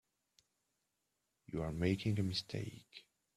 You are making a mistake.